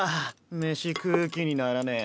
飯食う気にならねぇ。